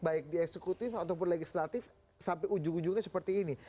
baik di eksekutif ataupun legislatif sampai ujung ujungnya seperti ini